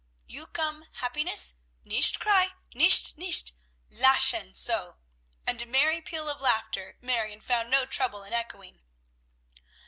You come happiness; nicht cry, nicht! nicht! Lachen! so!" and a merry peal of laughter Marion found no trouble in echoing.